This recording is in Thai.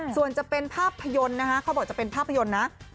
ส่วนจะเป็นภาพยนตร์นะคะเขาบอกจะเป็นภาพยนตร์นะ